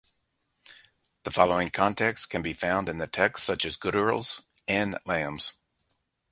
The following content can be found in texts such as Goodearl's and Lam's.